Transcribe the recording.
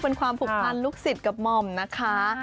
เป็นความผูกพันลูกศิษย์กับหม่อมนะคะ